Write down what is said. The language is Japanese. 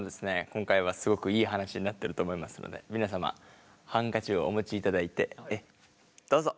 今回はすごくいい話になってると思いますので皆様ハンカチをお持ちいただいてどうぞ。